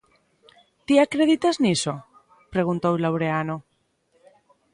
_Ti acreditas niso? _preguntou Laureano_.